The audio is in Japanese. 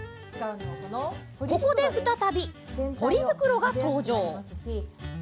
ここで再び、ポリ袋が登場。